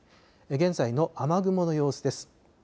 現在の雨雲の様子です。